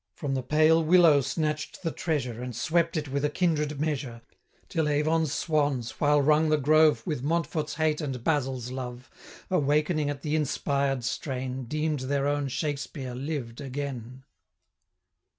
From the pale willow snatch'd the treasure, 105 And swept it with a kindred measure, Till Avon's swans, while rung the grove With Montfort's hate and Basil's love, Awakening at the inspired strain, Deem'd their own Shakspeare lived again.'